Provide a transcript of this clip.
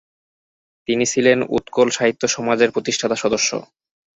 তিনি ছিলেন উৎকল সাহিত্য সমাজের প্রতিষ্ঠাতা-সদস্য।